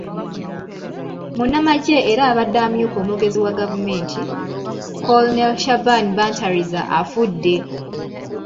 Munnnamajje era abadde amyuka omwogezi wa gavumenti, Colonel Shaban Bantariza afudde.